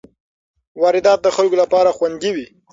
واردات د خلکو لپاره خوندي وي.